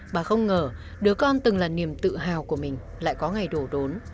bà không ngờ đứa con từng là niềm tự hào của mình lại có ngày đổ đốn